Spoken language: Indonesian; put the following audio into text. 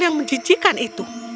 yang menjijikan itu